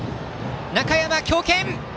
中山、強肩！